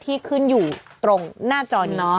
ที่ขึ้นอยู่ตรงหน้าจอนี้